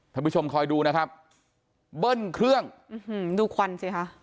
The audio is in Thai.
ท่านผู้ชมคอยดูนะครับเบิ้ลเครื่องดูควันสิค่ะ